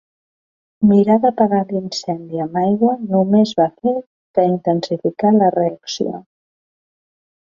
Mirar d'apagar l'incendi amb aigua només va fer que intensificar la reacció.